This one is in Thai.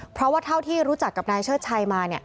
เพราะว่าเท่าที่รู้จักกับนายเชิดชัยมา